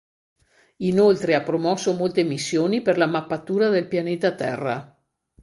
Inoltre ha promosso molte missioni per la mappatura del pianeta Terra.